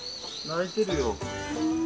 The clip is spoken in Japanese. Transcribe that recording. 鳴いてるよ。